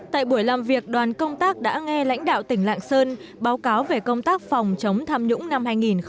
tại buổi làm việc đoàn công tác đã nghe lãnh đạo tỉnh lạng sơn báo cáo về công tác phòng chống tham nhũng năm hai nghìn một mươi chín